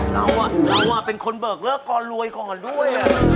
เราอ่ะเราอ่ะเป็นคนเบิกเลือกก่อนรวยก่อนด้วย